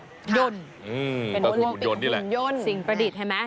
ยนต์เป็นโอลิมปิกของขุนยนต์นี่แหละสิ่งประดิษฐ์ใช่ไหม